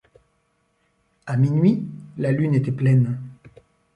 À minuit, la Lune était pleine.